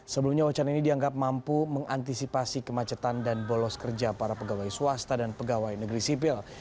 sebelumnya wacana ini dianggap mampu mengantisipasi kemacetan dan bolos kerja para pegawai swasta dan pegawai negeri sipil